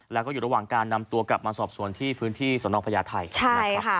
แล้วก็อยู่ระหว่างการนำตัวกลับมาสอบสวนที่พื้นที่สนพญาไทยนะครับ